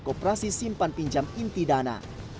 kooperasi simpan pinjam inti dana